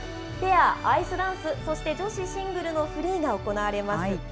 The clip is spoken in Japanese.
ペア、アイスダンス、そして女子シングルのフリーが行われます。